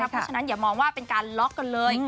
เพราะฉะนั้นอย่ามองว่าเป็นการล็อกกันเลย